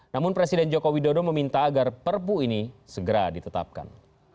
namun presiden joko widodo meminta agar perpu ini segera ditetapkan